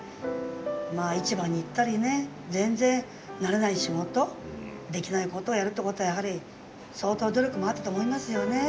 まあ市場に行ったりね全然慣れない仕事できないことをやるってことはやはり相当努力もあったと思いますよね。